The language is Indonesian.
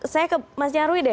saya ke mas nyarwi deh